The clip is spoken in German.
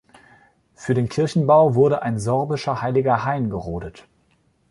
Für den Kirchenbau wurde ein sorbischer heiliger Hain gerodet.